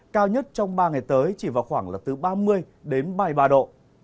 cao nhất trong ba ngày tới chỉ vào khoảng từ ba mươi ba mươi ba độ